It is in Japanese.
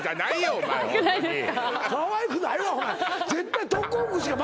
かわいくないわ！